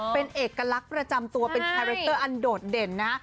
เป็นเอกลักษณ์ประจำตัวเป็นคาแรคเตอร์อันโดดเด่นนะ